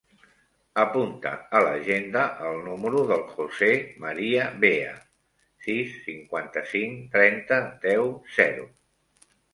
Apunta a l'agenda el número del José maria Bea: sis, cinquanta-cinc, trenta, deu, zero.